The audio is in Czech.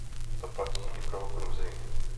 To platí i pro Gruzii.